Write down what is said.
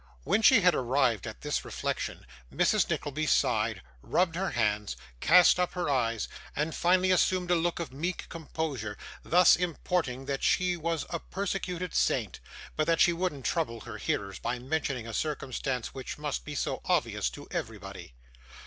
When she had arrived at this reflection, Mrs. Nickleby sighed, rubbed her hands, cast up her eyes, and finally assumed a look of meek composure; thus importing that she was a persecuted saint, but that she wouldn't trouble her hearers by mentioning a circumstance which must be so obvious to everybody.